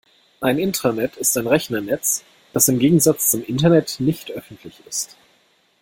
Ein Intranet ist ein Rechnernetz, das im Gegensatz zum Internet nicht öffentlich ist.